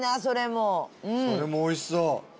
それもおいしそう。